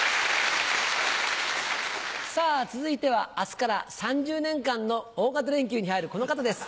さぁ続いては明日から３０年間の大型連休に入るこの方です。